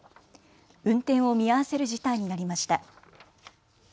運転を見合わせる事態になりました。